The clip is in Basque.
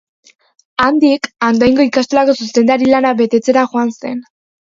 Handik, Andoaingo ikastolako zuzendari lana betetzera joan zen.